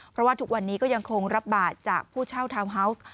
เพราะว่าทุกวันนี้ก็ยังคงรับบาทจากผู้เช่าทาวน์ฮาวส์